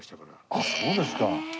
あっそうですか。